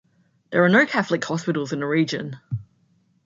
There are no Catholic hospitals in the region.